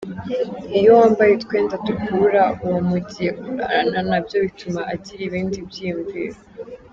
Iyo wambaye utwenda dukurura uwo mugiye kurarana nabyo bituma agira ibindi by’iyumviro.